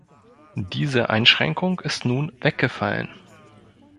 Diese Einschränkung ist nun weggefallen.